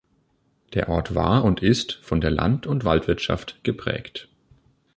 Der Ort war und ist von der Land- und Waldwirtschaft geprägt.